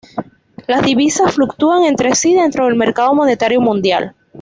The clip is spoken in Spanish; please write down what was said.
Las divisas fluctúan entre sí dentro del mercado monetario mundial.